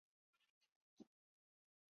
朗科尼。